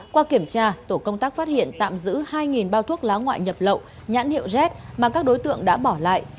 qua kiểm tra tổ công tác phát hiện tạm giữ hai bao thuốc lá ngoại nhập lậu nhãn hiệu z mà các đối tượng đã bỏ lại